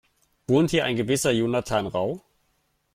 Wohnt hier ein gewisser Jonathan Rau?